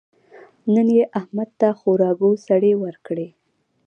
نن يې احمد ته خورا ګوسړې ورکړې.